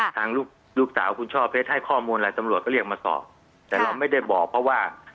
ทางลูกลูกสาวคุณช่อเพชรให้ข้อมูลอะไรตำรวจก็เรียกมาสอบแต่เราไม่ได้บอกเพราะว่า